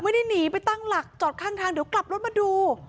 ไม่ได้หนีไปตั้งหลักจอดข้างทางเดี๋ยวกลับรถมาดู